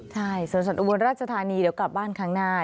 ใช่สวนสัตว์อุบลราชธานีเดี๋ยวกลับบ้านครั้งหน้า